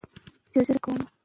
که مسطر وي نو کرښه نه کوږ کیږي.